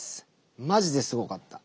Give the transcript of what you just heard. マジですごかった。